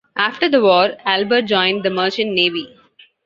After the war, Albert joined the Merchant Navy.